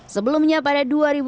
sebelumnya pada dua ribu sebelas